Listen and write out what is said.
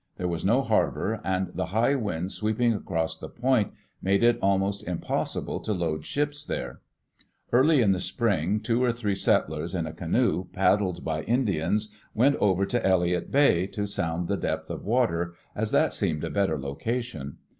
There was no harbor, and the high winds sweeping across the point made it almost impossible Digitized by CjOOQ IC EARLY. DAYS IN OLD OREGON to load ships there. Early in the spring, two or three settlers, in a canoe paddled by Indians, went over to Elliott Bay to sound the depth of water, as that seemed a better location.